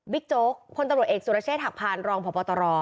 โจ๊กพลตำรวจเอกสุรเชษฐหักพานรองพบตร